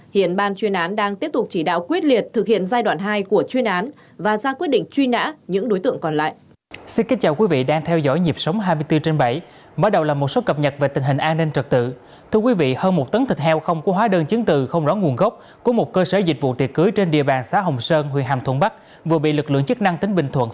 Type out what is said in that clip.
hiện ban chuyên án đang tiếp tục chỉ đạo quyết liệt thực hiện giai đoạn hai của chuyên án và ra quyết định truy nã những đối tượng còn lại